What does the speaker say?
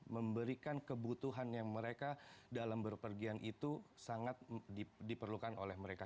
memberikan kebutuhan yang mereka dalam berpergian itu sangat diperlukan oleh mereka